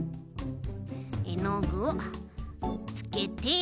えのぐをつけて。